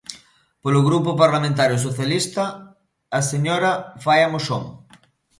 Polo Grupo Parlamentario Socialista, a señora Faia Moxón.